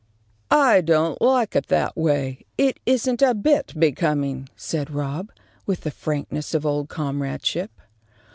"I don't like it that way. It isn't a bit becoming," said Rob, with the frankness of old comradeship.